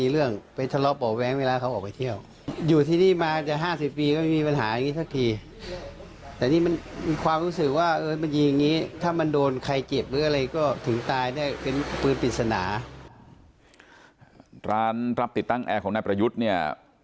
ร้านรับติดตั้งแอร์ของนายประยุทธ์เนี่ย